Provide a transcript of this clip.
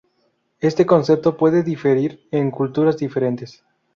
Este concepto puede diferir en culturas diferentes.